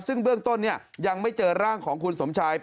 ซึ่งเบื้องต้นยังไม่เจอร่างของคุณสมชาย